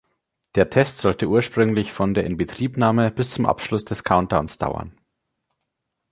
Der Test sollte ursprünglich von der Inbetriebnahme bis zum Abschluss des Countdowns dauern.